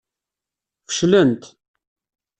Feclent.